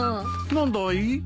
何だい？